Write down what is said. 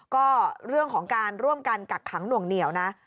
ก็เรื่องของการร่วมกันกักขังหน่วงเหนียวนะ